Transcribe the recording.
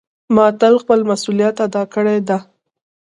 ما تل خپل مسؤلیت ادا کړی ده.